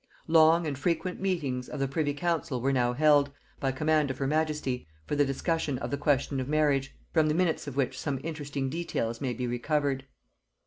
Long and frequent meetings of the privy council were now held, by command of her majesty, for the discussion of the question of marriage; from the minutes of which some interesting details may be recovered.